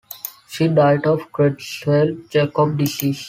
She died of Creutzfeldt-Jakob disease.